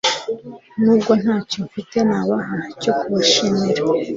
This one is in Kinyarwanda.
nubwo ntacyo mfite nabaha cyo kubashimira